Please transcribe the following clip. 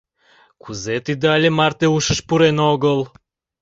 Кузе тиде але марте ушыш пурен огыл?